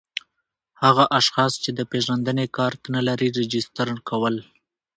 هغه اشخاص چي د پېژندني کارت نلري راجستر کول